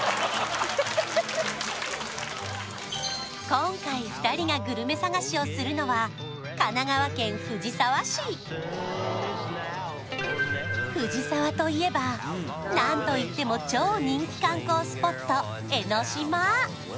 今回２人がグルメ探しをするのは藤沢といえば何といっても超人気観光スポット